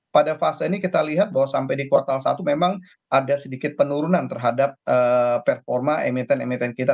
pada fase ini kita lihat bahwa sampai di kuartal satu memang ada sedikit penurunan terhadap performa emiten emiten kita